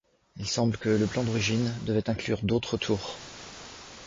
Il semble que le plan d'origine devait inclure d'autres tours.